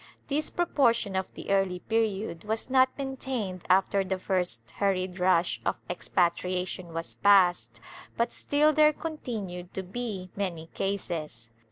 This pro portion of the early period was not maintained after the first hurried rush of expatriation was past, but still there continued to be many cases.